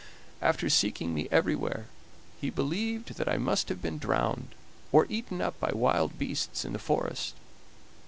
After seeking me everywhere he believed that I must have been drowned, or eaten up by wild beasts in the forest.